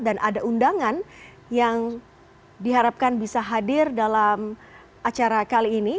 dan ada undangan yang diharapkan bisa hadir dalam acara kali ini